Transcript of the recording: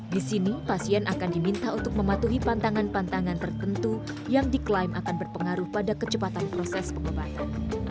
di sini pasien akan diminta untuk mematuhi pantangan pantangan tertentu yang diklaim akan berpengaruh pada kecepatan proses pengobatan